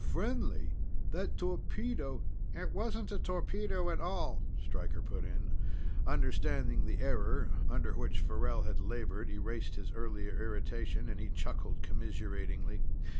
"Friendly? That torpedo " "It wasn't a torpedo at all," Stryker put in. Understanding of the error under which Farrell had labored erased his earlier irritation, and he chuckled commiseratingly.